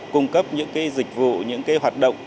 cung cấp những dịch vụ những hoạt động